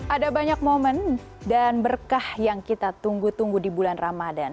ada banyak momen dan berkah yang kita tunggu tunggu di bulan ramadan